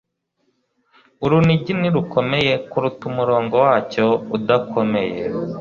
Urunigi ntirukomeye kuruta umurongo wacyo udakomeye.